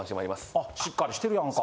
あしっかりしてるやんか。